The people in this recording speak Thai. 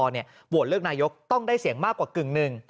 โหวตเลือกนายกต้องได้เสียงมากกว่ากึ่งหนึ่ง